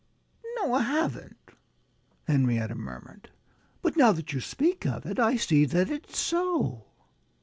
No I haven't," Henrietta murmured. "But now that you speak of it, I see that it's so."